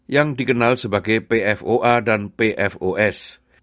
yang dikenal sebagai pfoa dan pfos